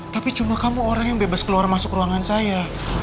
tapi cuma kamu orang yang bebas keluar masuk ruangan saya